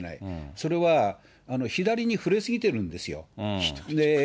それは左に振れ過ぎてるんですよ。